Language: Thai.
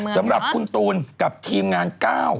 สำหรับคุณตูนกับทีมงาน๙